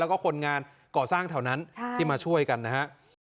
แล้วก็คนงานก่อสร้างแถวนั้นที่มาช่วยกันนะฮะ